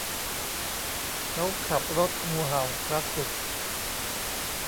เขาขับรถงูเห่าคลาสสิค